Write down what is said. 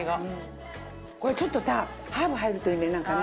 これちょっとさハーブ入るといいねなんかね。